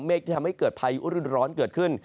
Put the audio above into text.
ที่ทำให้เกิดพายุรุ่นร้อนเกิดขึ้น